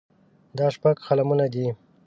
دا شپږ قلمونه دي.